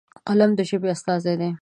قلم د ژبې استازی دی.